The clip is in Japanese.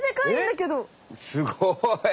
すごい。